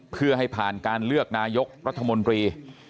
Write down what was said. เพื่อให้ผ่านการเลือกนายกรัฐมนตรี